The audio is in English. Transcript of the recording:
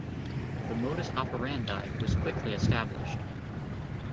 The modus operandi was quickly established.